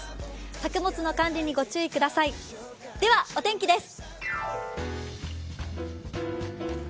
作物の管理にご注意ください、ではお天気です。